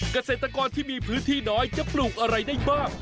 เกษตรกรที่มีพื้นที่น้อยจะปลูกอะไรได้บ้าง